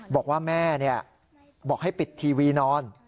บอกว่าแม่บอกให้ปิดทีวีนอน